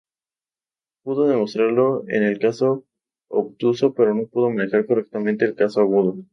Pudo demostrarlo en el caso obtuso, pero no pudo manejar correctamente el caso agudo.